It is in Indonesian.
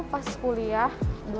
pas kuliah dua ribu delapan belas